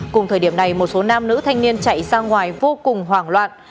cùng thời điểm này một số nam nữ thanh niên chạy ra ngoài vô cùng hoảng loạn